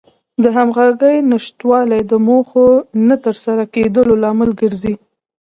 د همغږۍ نشتوالی د موخو نه تر سره کېدلو لامل ګرځي.